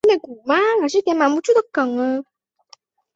翘腹希蛛为球蛛科希蛛属的动物。